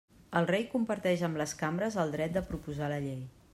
El rei comparteix amb les cambres el dret de proposar la llei.